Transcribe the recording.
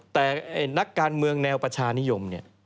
แต่นักการเมืองแนวประชานิยมเนี่ย